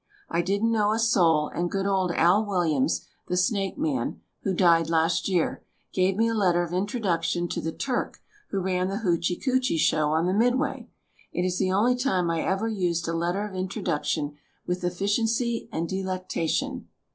I didn't know a soul and good old Al Williams, the snake man — who died last year — gave me a letter of introduc tion to the Turk who ran the Hoochy Koochy show on the midway. It is the only time I ever used a letter of introduction with efficiency and delectation.